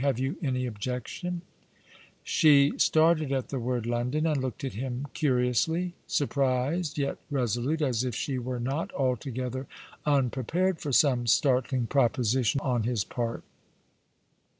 Have you any objection ?" She started at the word London, and looked at him curiously — surprised, yet resolute — as if she were not altogether unpreiDared for some startling proposition on his part.